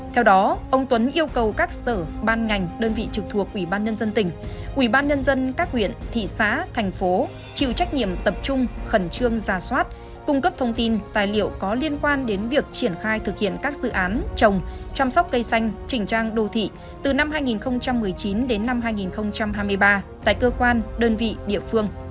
theo đó ông tuấn yêu cầu các sở ban ngành đơn vị trực thuộc ủy ban nhân dân tỉnh ủy ban nhân dân các huyện thị xã thành phố chịu trách nhiệm tập trung khẩn trương giả soát cung cấp thông tin tài liệu có liên quan đến việc triển khai thực hiện các dự án trồng chăm sóc cây xanh chỉnh trang đồ thị từ năm hai nghìn một mươi chín đến năm hai nghìn hai mươi ba tại cơ quan đơn vị địa phương